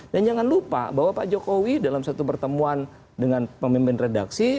dan jangan lupa bahwa pak jokowi dalam satu pertemuan dengan pemimpin redaksi